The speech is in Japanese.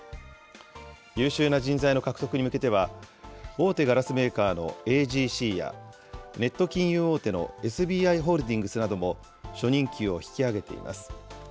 優秀な人材の獲得に向けては、大手ガラスメーカーのＡＧＣや、ネット金融大手のＳＢＩホールディングスなども初任給を引き上げています。